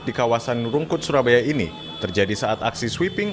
di kawasan rungkut surabaya ini terjadi saat aksi sweeping